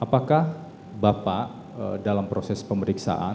hai apakah bapak dalam proses pemeriksaan